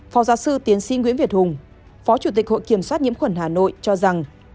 phó giáo sư tiến sĩ nguyễn việt hùng phó chủ tịch hội kiểm soát nhiễm khuẩn hà nội cho rằng